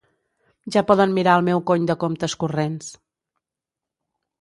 Ja poden mirar el meu cony de comptes corrents.